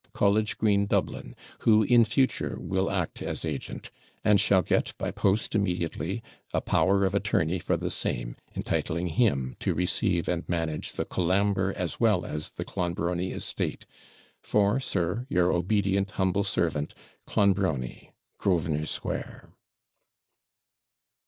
College Green, Dublin, who in future will act as agent, and shall get, by post, immediately, a power of attorney for the same, entitling him to receive and manage the Colambre as well as the Clonbrony estate, for, Sir, your obedient humble servant, CLONBRONY. 'GROSVENOR SQUARE.'